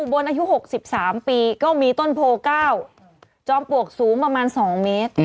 บนอายุ๖๓ปีก็มีต้นโพ๙จอมปลวกสูงประมาณ๒เมตร